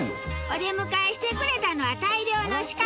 お出迎えしてくれたのは大量の鹿さん。